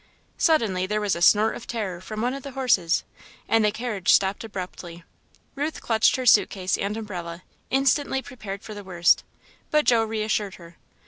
Suddenly there was a snort of terror from one of the horses, and the carriage stopped abruptly. Ruth clutched her suit case and umbrella, instantly prepared for the worst; but Joe reassured her.